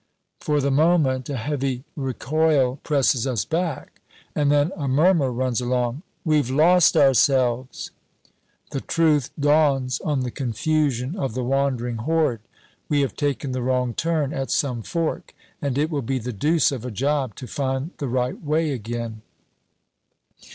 For the moment a heavy recoil presses us back and then a murmur runs along: "We've lost ourselves." The truth dawns on the confusion of the wandering horde. We have taken the wrong turn at some fork, and it will be the deuce of a job to find the right way again.